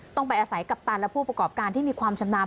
ต้องไปอาศัยกัปตันและผู้ประกอบการที่มีความชำนาญ